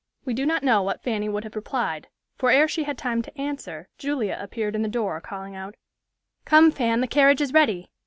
We do not know what Fanny would have replied; for ere she had time to answer Julia appeared in the door, calling out, "Come, Fan, the carriage is ready.